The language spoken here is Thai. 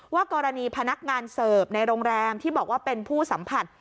กรณีพนักงานเสิร์ฟในโรงแรมที่บอกว่าเป็นผู้สัมผัส